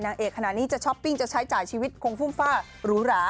นางเอกขนาดนี้จะช้อปปิ้งจะใช้จ่ายชีวิตคงฟุ่มฟ่าหรูหรา